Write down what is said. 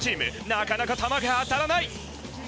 なかなか弾が当たらない。